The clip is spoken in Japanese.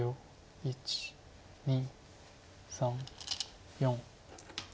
１２３４。